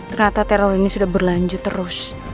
ternyata teror ini sudah berlanjut terus